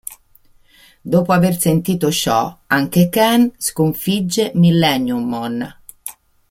Dopo aver sentito ciò, anche Ken sconfigge Millenniummon.